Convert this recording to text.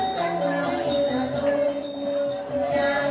การทีลงเพลงสะดวกเพื่อความชุมภูมิของชาวไทย